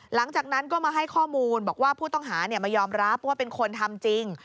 หลังจากนั้นก็มาให้ข้อมูลบอกว่าผู้ต้องหามายอมรับว่าเป็นคนทำจริง